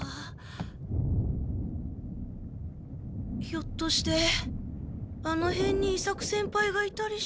ひょっとしてあのへんに伊作先輩がいたりして。